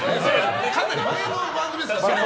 かなり前の番組ですから。